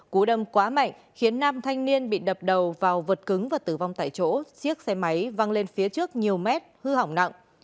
cú đâm quá mạnh khiến nam thanh niên bị đập đầu vào vật cứng và tử vong tại chỗ chiếc xe máy văng lên phía trước nhiều mét hư hỏng nặng